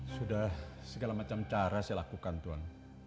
sudah segala macam cara saya lakukan tuhan